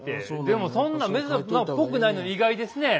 でもそんなぽくないのに意外ですね。